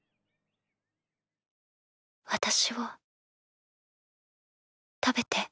私を食べて。